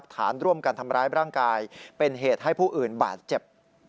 ฐานร่วมกันทำร้ายร่างกายเป็นเหตุให้ผู้อื่นบาดเจ็บ